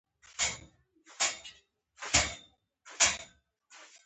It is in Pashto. • لمر د طبیعت لپاره یوه قوی انرژي سرچینه ده.